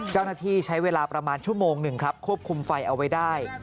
เจ้าหน้าที่ใช้เวลาประมาณชั่วโมงหนึ่งครับควบคุมไฟเอาไว้ได้